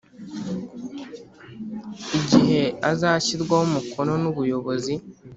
igihe azashyirwaho umukono n ubuyobozi